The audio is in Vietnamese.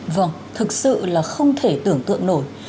vâng thực sự là không thể tưởng tượng nổi